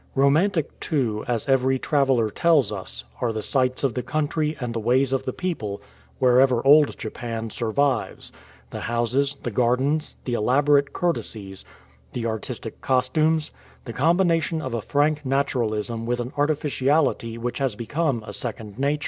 Romantic, too, as every traveller tells us, are the sights of the country and the ways of the people wherever Old Japan survives — the houses, the gardens, the elaborate courtesies, the artistic costumes, the combination of a frank natural ism with an artificiality which has become a second nature.